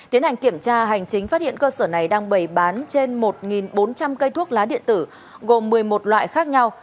tiến hành kiểm tra hành chính phát hiện cơ sở này đang bày bán trên một bốn trăm linh cây thuốc lá điện tử gồm một mươi một loại khác nhau